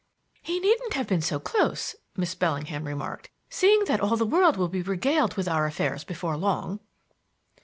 "He needn't have been so close," Miss Bellingham remarked, "seeing that all the world will be regaled with our affairs before long."